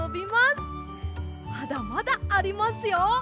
まだまだありますよ。